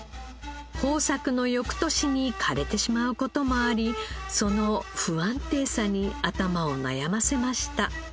豊作の翌年に枯れてしまう事もありその不安定さに頭を悩ませました。